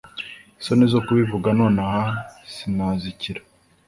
isoni zo kubivuga nonaha sinazikira